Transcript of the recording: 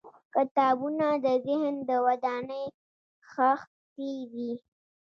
• کتابونه د ذهن د ودانۍ خښتې دي.